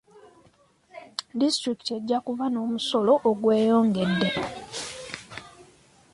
Disitulikiti ejja kuba n'omusolo ogweyongedde.